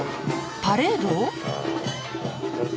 パレード？